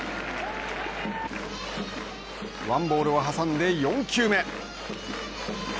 ワンボールを挟んで４球目。